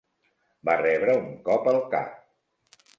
Va rebre un cop al cap.